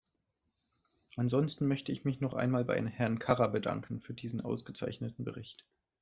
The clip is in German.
Ansonsten möchte ich mich noch einmal bei Herrn Carrabedanken für diesen ausgezeichneten Bericht.